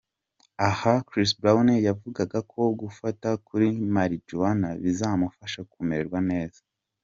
Aha Chris Brown yavugaga ko gufata kuri marijuana bizamufasha kumererwa neza.